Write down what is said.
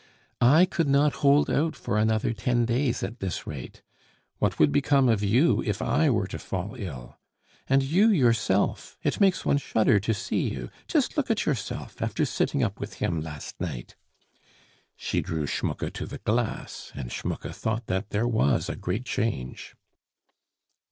I could not hold out for another ten days at this rate. What would become of you if I were to fall ill? And you yourself, it makes one shudder to see you; just look at yourself, after sitting up with him last night!" She drew Schmucke to the glass, and Schmucke thought that there was a great change.